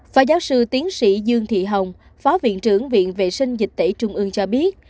phó giáo sư tiến sĩ dương thị hồng phó viện trưởng viện vệ sinh dịch tễ trung ương cho biết